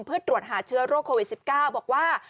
เพื่อตรวจหาเชื้อโรคโควิด๑๙บอกว่า